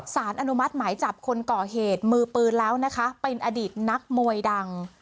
สารอนุมัติหมายจับคนก่อเหตุมือปืนแล้วนะคะเป็นอดีตนักมวยดัง